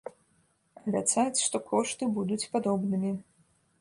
Абяцаць, што кошты будуць падобнымі.